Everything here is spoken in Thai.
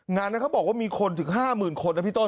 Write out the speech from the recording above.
งานนั้นเขาบอกว่ามีคนถึง๕๐๐๐คนนะพี่ต้น